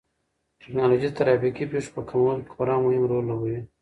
ټیکنالوژي د ترافیکي پېښو په کمولو کې خورا مهم رول لوبوي.